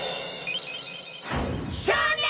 少年！